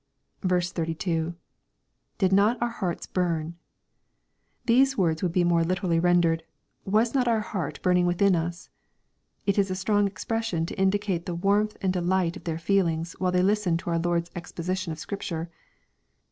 32. — [Did not our heart bum.] These words would be more literally rendered, " was not our heart burning within us." It is a strong expression to indicate the warmth and delight of their feelings while they listened to our Lord's exposition of Scripture.